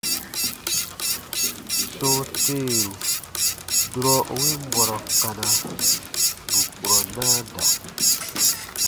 Sɔ̃ɔ teeru, durɔ u win bɔrɔ kana, bù kurɔ naa da.